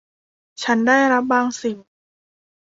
ฉันได้รับบางสิ่ง